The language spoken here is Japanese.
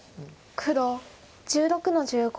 黒１６の十五。